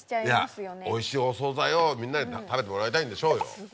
いやおいしいお惣菜をみんなに食べてもらいたいんでしょうよ。